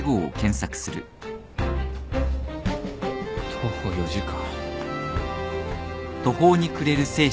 徒歩４時間。